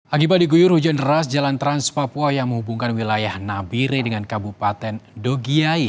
akibat diguyur hujan deras jalan trans papua yang menghubungkan wilayah nabire dengan kabupaten dogiai